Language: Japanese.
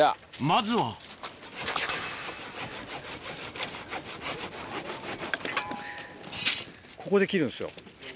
まずはここで切るんですよ